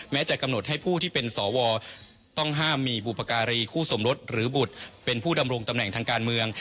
จะกำหนดให้ผู้ที่เป็นสวต้องห้ามมีบุพการีคู่สมรสหรือบุตรเป็นผู้ดำรงตำแหน่งทางการเมือง